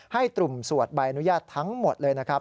ให้ตุ่มสวดใบอนุญาตทั้งหมดเลยนะครับ